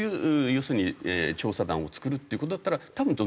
要するに調査団を作るっていう事だったら多分。